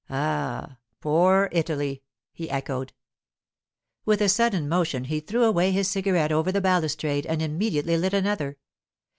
'Ah—poor Italy!' he echoed. With a sudden motion he threw away his cigarette over the balustrade and immediately lit another.